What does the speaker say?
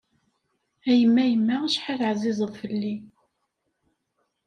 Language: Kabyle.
A yemma yemma, acḥal ɛzizeḍ fell-i.